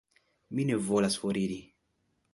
Mi ne volas foriri.